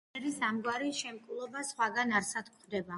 თბილისში ჭერის ამგვარი შემკულობა სხვაგან არსად გვხვდება.